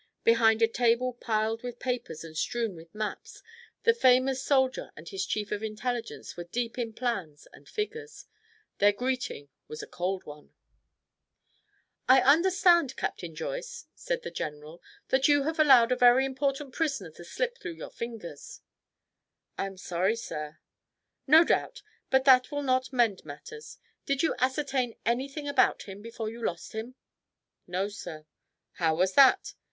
Behind a table piled with papers and strewn with maps the famous soldier and his Chief of Intelligence were deep in plans and figures. Their greeting was a cold one. [Illustration: Bimbashi Joyce Painted for Princess Mary's Gift Book by R. Talbot Kelly, R.I.] "I understand, Captain Joyce," said the general, "that you have allowed a very important prisoner to slip through your fingers." "I am sorry, sir." "No doubt. But that will not mend matters. Did you ascertain anything about him before you lost him?" "No, sir." "How was that?"